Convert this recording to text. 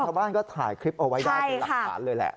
ชาวบ้านก็ถ่ายคลิปเอาไว้ได้เป็นหลักฐานเลยแหละ